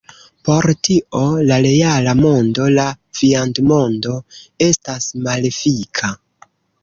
Por tio, la reala mondo, la viandmondo, estas malefika.